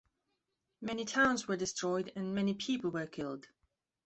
Many towns were destroyed and many people were killed.